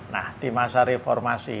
nah di masa reformasi